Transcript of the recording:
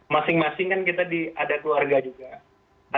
masing masing kan kita ada keluarga juga